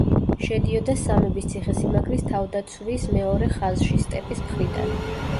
შედიოდა სამების ციხესიმაგრის თავდაცვის მეორე ხაზში სტეპის მხრიდან.